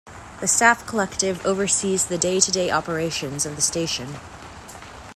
The staff collective oversees the day-to-day operations of the station.